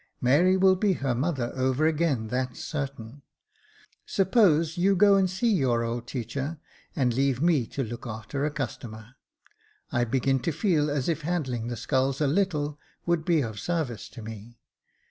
Mary will be her mother over again, that's sartain. Suppose you go and see your old teacher, and leave me to look a'ter a customer. I begin to feel as if handling the sculls a little would be of sarvice to me.